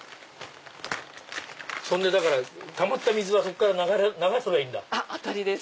そんでたまった水はそこから流せばいいんだ。